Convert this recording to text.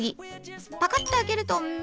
パカッと開けるとミイラ！